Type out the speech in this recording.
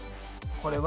これは？